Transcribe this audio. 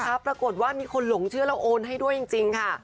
ปรากฏว่ามีคนหลงเชื่อแล้วโอนให้ด้วยจริงค่ะ